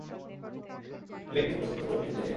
আমি একটি প্রস্তাব করতে চাই।